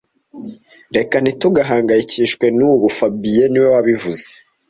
Reka ntitugahangayikishwe nubu fabien niwe wabivuze